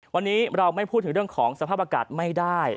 วันนี้เราไม่พูดถึงเรื่องของสภาพอากาศไม่ได้